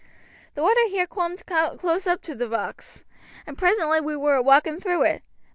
"The water here coombed close oop to t' rocks, and presently we war a walking through it.